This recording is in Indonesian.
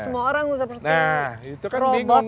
semua orang seperti robot nah itu kan bingung